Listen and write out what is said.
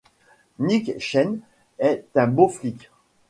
Nick Chen est un bon flic.